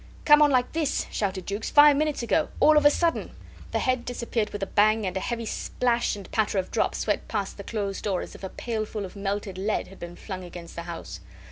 "Came on like this," shouted Jukes, "five minutes ago ... all of a sudden." The head disappeared with a bang, and a heavy splash and patter of drops swept past the closed door as if a pailful of melted lead had been flung against the house.